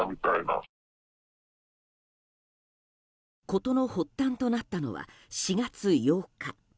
事の発端となったのは４月８日。